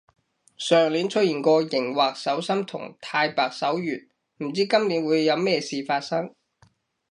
上年出現過熒惑守心同太白守月，唔知今年會有咩事發生